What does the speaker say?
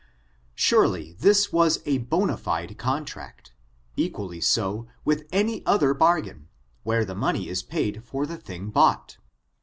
Surely this was a hena fide contract, equally so > with any other bargain, where the money is paid for the thing bought.